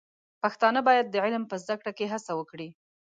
پښتانه بايد د علم په زده کړه کې هڅه وکړي.